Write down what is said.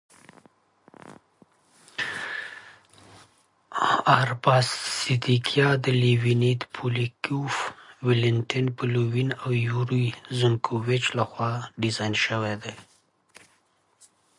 Arbatskaya was designed by Leonid Polyakov, Valentin Pelevin and Yury Zenkevich.